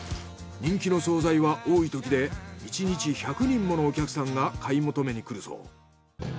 人気の惣菜は多いときで１日１００人ものお客さんが買い求めに来るそう。